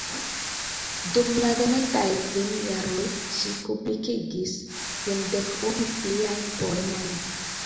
Dum la venontaj kvin jaroj ŝi publikigis kvindek-unu pliajn poemojn.